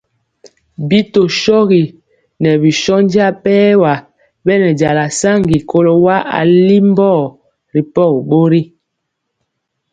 Bi tɔ shogi ŋɛɛ bi shónja bɛɛwa bɛnjala saŋgi kɔlo wa alimbɔ ripɔgi bori.